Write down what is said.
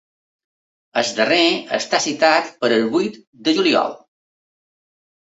El darrer està citat per al vuit de juliol.